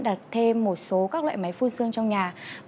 đặt thêm một số các loại máy phun xương trong nhà